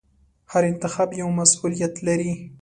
هر انتخاب یو مسوولیت لري.